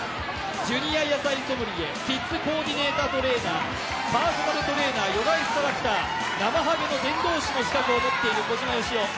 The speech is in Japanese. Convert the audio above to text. ジュニア野菜ソムリエ、キッズトレーナーパーソナルトレーナー、ヨガインストラクター、ナマハゲの伝道師の資格を持っている小島よしお。